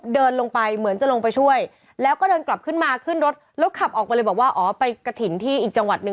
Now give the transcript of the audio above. เดินลงไปเหมือนจะลงไปช่วยแล้วก็เดินกลับขึ้นมาขึ้นรถแล้วขับออกไปเลยบอกว่าอ๋อไปกระถิ่นที่อีกจังหวัดหนึ่ง